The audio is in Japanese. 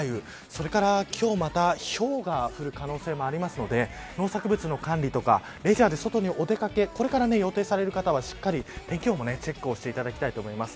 それから今日またひょうが降る可能性もありますので農作物の管理とかレジャーで外にお出掛けこれから予定される方はしっかり天気予報をチェックするといいと思います。